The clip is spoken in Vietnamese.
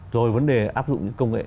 rồi vấn đề áp dụng những công nghệ